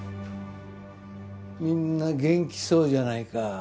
みんな元気そうじゃないか。